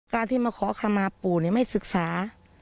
การที่มาขอคำมาปู่ไม่ศึกษา